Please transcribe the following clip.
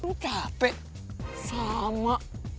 ini ke hp sama